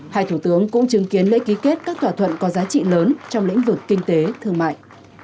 hai thủ tướng cũng chứng kiến lễ ký kết các thỏa thuận có giá trị lớn trong lĩnh vực kinh tế thương mại